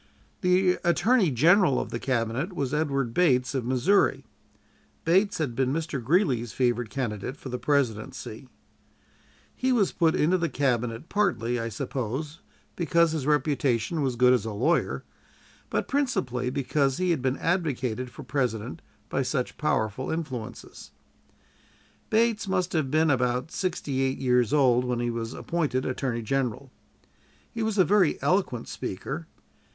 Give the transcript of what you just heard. The Attorney General of the Cabinet was Edward Bates, of Missouri. Bates had been Mr. Greeley's favorite candidate for the presidency. He was put into the Cabinet partly, I suppose, because his reputation was good as a lawyer, but principally because he had been advocated for President by such powerful influences. Bates must have been about sixty eight years old when he was appointed Attorney General. He was a very eloquent speaker.